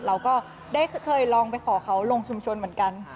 เราก็ได้เคยลองไปขอเขาลงชุมชนเหมือนกัน